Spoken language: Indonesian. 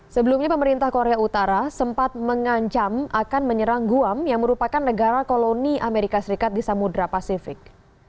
sebelumnya pemerintah korea utara sempat mengancam akan menyerang guam yang merupakan negara koloni amerika serikat di samudera pasifik